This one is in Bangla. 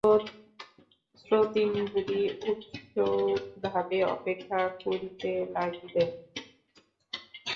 শ্রোতৃমণ্ডলী উৎসুকভাবে অপেক্ষা করিতে লাগিলেন।